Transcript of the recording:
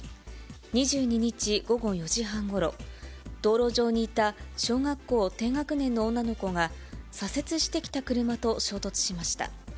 ２２日午後４時半ごろ、道路上にいた小学校低学年の女の子が、左折してきた車と衝突しました。